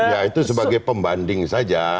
ya itu sebagai pembanding saja